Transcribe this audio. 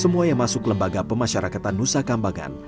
semua yang masuk lembaga pemasyarakatan nusa kambangan